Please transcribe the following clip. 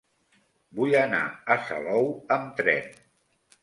Vull anar a Salou amb tren.